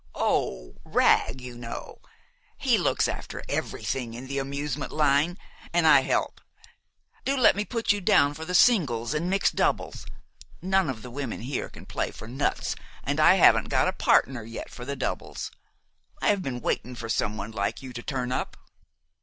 "Oh, Wragg, you know. He looks after everything in the amusement line, an' I help. Do let me put you down for the singles an' mixed doubles. None of the women here can play for nuts, an' I haven't got a partner yet for the doubles. I've been waitin' for someone like you to turn up."